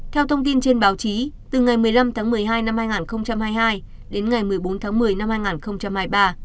theo thông tin trên báo chí từ ngày một mươi năm tháng một mươi hai năm hai nghìn hai mươi hai đến ngày một mươi bốn tháng một mươi năm hai nghìn hai mươi ba